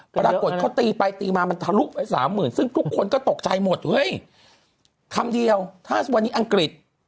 ปรากฏเขาตีไปตีมามันทะลุไปสามหมื่นซึ่งทุกคนก็ตกใจหมดเฮ้ยคำเดียวถ้าวันนี้อังกฤษ